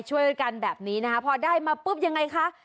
ช่วยกันแบบนี้พอได้มาอย่างไรคะ